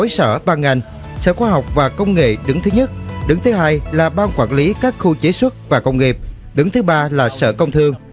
một mươi sở ban ngành sở khoa học và công nghệ đứng thứ nhất đứng thứ hai là ban quản lý các khu chế xuất và công nghiệp đứng thứ ba là sở công thương